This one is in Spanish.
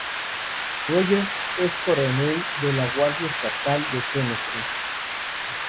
Rogers es Coronel de la Guardia Estatal de Tennessee.